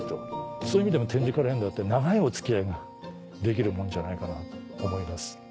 そういう意味でも点字カレンダーって長いお付き合いができるもんじゃないかなと思います。